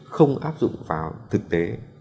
không áp dụng vào thực tế